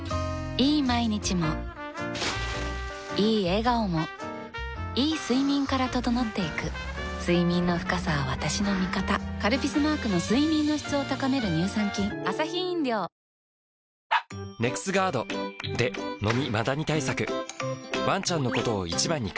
いい毎日もいい笑顔もいい睡眠から整っていく睡眠の深さは私の味方「カルピス」マークの睡眠の質を高める乳酸菌日やけ止めＳＰＦだけで選んでない？